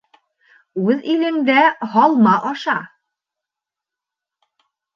Үҙ илеңдә һалма аша.